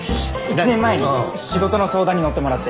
１年前に仕事の相談に乗ってもらって。